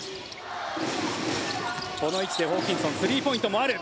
この位置でホーキンソンスリーポイントもある。